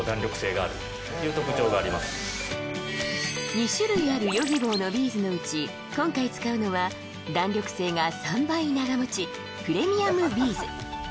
２種類あるＹｏｇｉｂｏのビーズのうち今回使うのは弾力性が３倍長持ちプレミアムビーズ